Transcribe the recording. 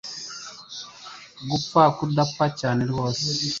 Gupfa kudapfa cyane rwose